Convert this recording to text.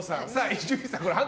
伊集院さん。